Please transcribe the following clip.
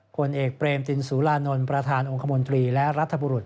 ผลเอกเปรมตินสุรานนท์ประธานองค์คมนตรีและรัฐบุรุษ